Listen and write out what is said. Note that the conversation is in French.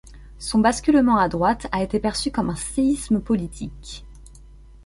Son basculement à droite a été perçu comme un séisme politique.